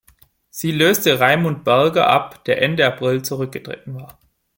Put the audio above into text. Sie löste Raimund Berger ab, der Ende April zurückgetreten war.